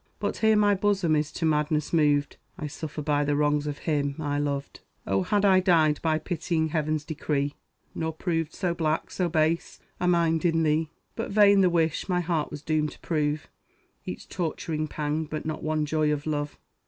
But here my bosom is to madness moved; I suffer by the wrongs of him I loved. O, had I died by pitying Heaven's decree, Nor proved so black, so base, a mind in thee! But vain the wish; my heart was doomed to prove Each torturing pang, but not one joy of love.